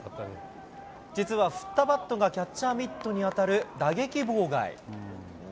実は振ったバットがキャッチャーミットに当たる打撃妨害。